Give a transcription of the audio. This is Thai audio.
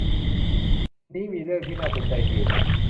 นี้มีเรื่องที่น่าสนใจคือ